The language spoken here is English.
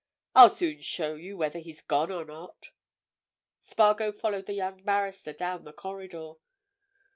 I'll soon show you whether he's gone or not." Spargo followed the young barrister down the corridor.